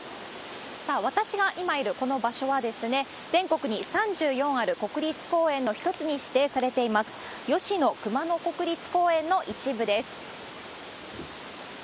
さあ、私が今いるこの場所はですね、全国に３４ある国立公園の一つに指定されています、吉野熊野国立公園の一部です。